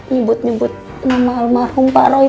nyebut nyebut nama almarhum pak roy